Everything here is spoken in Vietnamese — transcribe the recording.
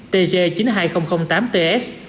tg chín mươi hai nghìn tám ts